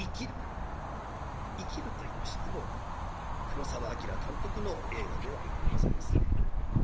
射切るといいましても黒澤明監督の映画ではございません。